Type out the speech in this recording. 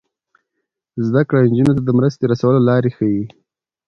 زده کړه نجونو ته د مرستې رسولو لارې ښيي.